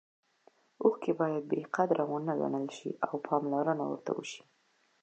اوښکې باید بې قدره ونه ګڼل شي او پاملرنه ورته وشي.